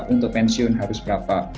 untuk pensiun harus berapa